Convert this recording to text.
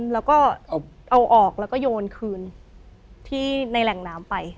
แล้วก็เอาออกแล้วก็โยนคืนที่ในแหล่งน้ำไป